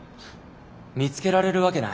見つけられるわけない。